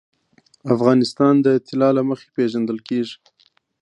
افغانستان د طلا له مخې پېژندل کېږي.